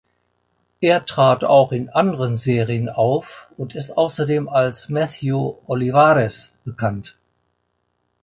Er trat auch in anderen Serien auf und ist außerdem als "Matthew Olivares" bekannt.